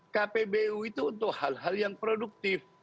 kpbu itu untuk hal hal yang produktif